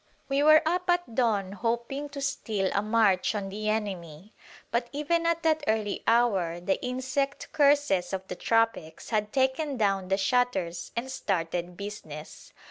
We were up at dawn hoping to steal a march on the enemy; but even at that early hour the insect curses of the tropics had taken down the shutters and started business.